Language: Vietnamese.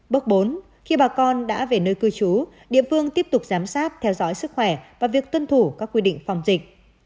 bước bốn khi bà con đã về nơi cư trú địa phương tiếp tục giám sát theo dõi sức khỏe và việc tuân thủ các quy định phòng dịch